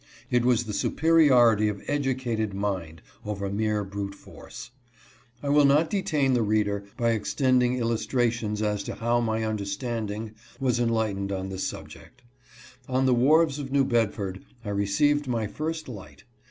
It was the superiority of educated mind over mere brute force. I will not detain the reader by extended illustrations as to how my understanding was enlightened on this subject. On the wharves of New Bedford I received my first light.